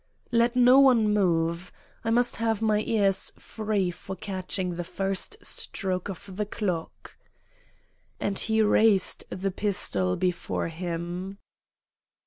"Let no one move. I must have my ears free for catching the first stroke of the clock." And he raised the pistol before him.